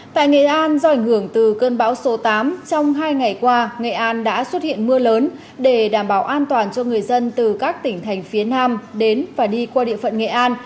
tại nghệ an do ảnh hưởng từ cơn bão số tám trong hai ngày qua nghệ an đã xuất hiện mưa lớn để đảm bảo an toàn cho người dân từ các tỉnh thành phía nam đến và đi qua địa phận nghệ an